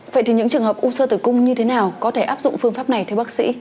vậy thì những trường hợp u sơ tử cung như thế nào có thể áp dụng phương pháp này thưa bác sĩ